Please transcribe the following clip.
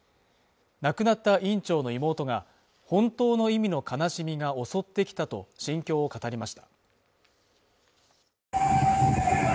亡くなった院長の妹が本当の意味の悲しみが襲ってきたと心境を語りました